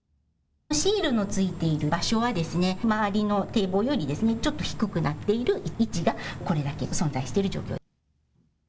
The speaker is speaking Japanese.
シールの付いている場所は周りの堤防よりちょっと低くなっている位置がこれだけ存在している状況。